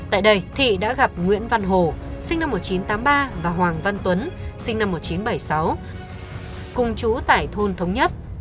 tại đây thị đã gặp nguyễn văn hồ sinh năm một nghìn chín trăm tám mươi ba và hoàng văn tuấn sinh năm một nghìn chín trăm bảy mươi sáu cùng chú tại thôn thống nhất